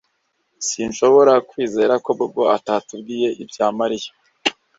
Sinshobora kwizera ko Bobo atatubwiye ibya Mariya